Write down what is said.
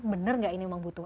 ah bener gak ini memang butuh